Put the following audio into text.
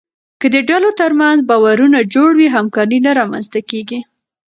که د ډلو ترمنځ باور ونه جوړوې، همکاري نه رامنځته کېږي.